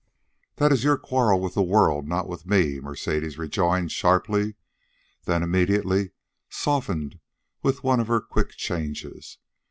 "That is your quarrel with the world, not with me," Mercedes rejoined sharply, then immediately softened with one of her quick changes.